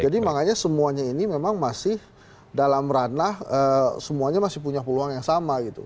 jadi makanya semuanya ini memang masih dalam ranah semuanya masih punya peluang yang sama gitu